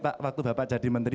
pak waktu bapak jadi menteri